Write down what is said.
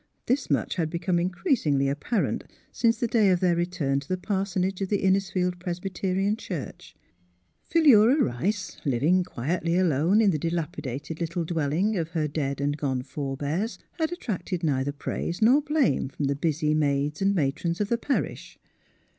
This much had become increas ingly apparent since the day of their return to the parsonage of the Innisfield Presbyterian church. Philura Rice, living quietly alone in the dilapi dated little dwelling of her dead and gone for bears, had attracted neither praise nor blame from the busy maids and matrons of the parish.